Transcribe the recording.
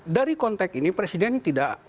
dari konteks ini presiden tidak